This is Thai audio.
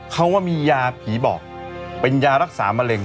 เขาว่ามียาผีบอกเป็นยารักษามะเร็ง